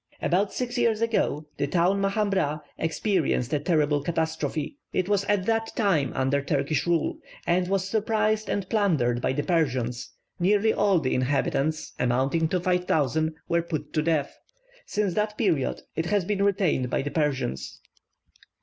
About six years ago, the town Mahambrah experienced a terrible catastrophe; it was at that time under Turkish rule, and was surprised and plundered by the Persians; nearly all the inhabitants, amounting to 5,000, were put to death. Since that period it has been retained by the Persians.